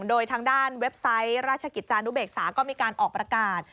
โดยทางด้านเว็บไซต์ราชกิจจานุเบกษาก็มีการออกประกาศ